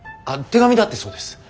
手紙だってそうです。